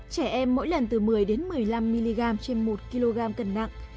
trẻ em mỗi lần từ một mươi một mươi năm mg trên một kg cần nặng